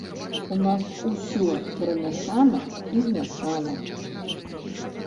У нас усё перамяшана і змяшана.